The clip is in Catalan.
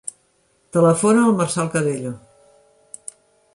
Telefona al Marçal Cabello.